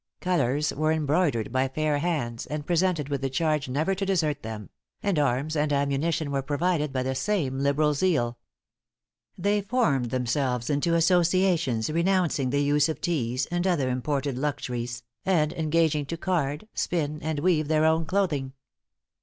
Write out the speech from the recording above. Colors were embroidered by fair hands, and presented with the charge never to desert them; and arms and ammunition were provided by the same liberal zeal. They formed themselves into associations renouncing the use of teas, and other imported luxuries, and engaging to card, spin, and weave their own clothing.